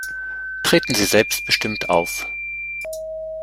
Treten Sie selbstbestimmt auf.